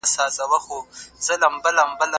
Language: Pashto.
که اقتصادي حالت خراب وي د څيړني بهیر زیانمن کیږي.